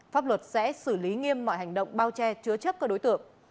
pháp luật sẽ xử lý nghiêm mọi hành động bao che chứa chấp các đối tượng